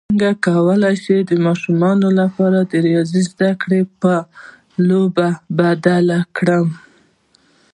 څنګه کولی شم د ماشومانو لپاره د ریاضي زدکړه په لوبو بدله کړم